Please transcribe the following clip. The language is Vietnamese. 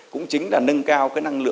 cũng chính là nâng cao